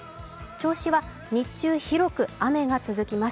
銚子は日中、広く雨が続きます。